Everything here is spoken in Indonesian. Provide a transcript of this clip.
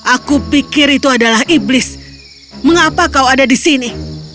aku pikir itu adalah iblis mengapa kau ada di sini